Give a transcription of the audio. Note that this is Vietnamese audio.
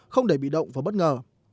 không để bị động và bất ngờ